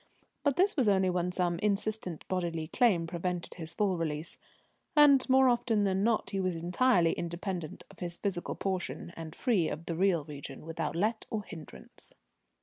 But this was only when some insistent bodily claim prevented his full release, and more often than not he was entirely independent of his physical portion and free of the real region, without let or hindrance.